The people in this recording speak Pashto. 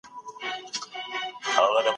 تر جنب پريوتلو غسل کول افضل دي.